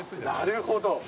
なるほど。